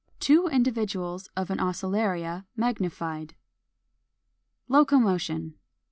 Two individuals of an Oscillaria, magnified.] 460. =Locomotion.